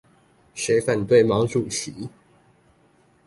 誰反對毛主席